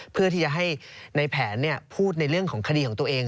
เพื่อที่จะให้ในแผนพูดในเรื่องของคดีของตัวเอง